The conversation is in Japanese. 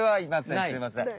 すいません。